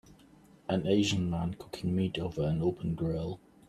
An Asian man cooking meat over an open grill.